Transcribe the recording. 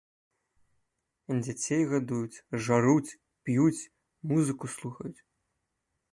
Дзяцей гадуюць, жаруць, п'юць, музыку слухаюць.